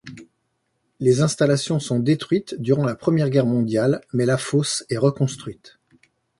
Les installations sont détruites durant la Première Guerre mondiale, mais la fosse est reconstruite.